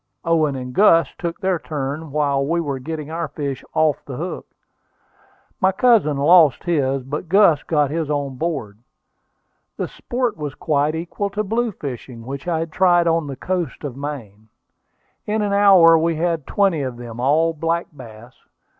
Owen and Gus took their turn while we were getting our fish off the hook. My cousin lost his, but Gus got his on board. The sport was quite equal to blue fishing, which I had tried on the coast of Maine. In an hour we had twenty of them, all black bass.